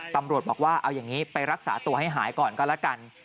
ตำรวจบอกว่าเอาอย่างนี้ไปรักษาตัวให้หายก่อนก็แล้วกัน